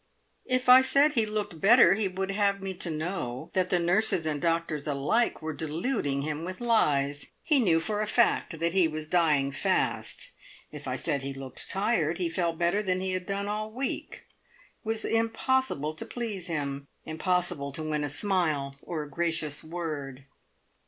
If I said he looked better, he would have me to know that nurses and doctors alike were deluding him with lies. He knew for a fact that he was dying fast. If I said he looked tired, he felt better than he had done all the week. It was impossible to please him impossible to win a smile or a gracious word.